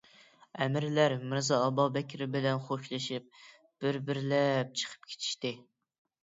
ئەمىرلەر مىرزا ئابابەكرى بىلەن خوشلىشىپ بىر-بىرلەپ چىقىپ كېتىشتى.